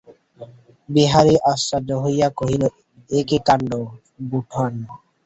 বিহারী আশ্চর্য হইয়া কহিল, এ কী কাণ্ড, বোঠান!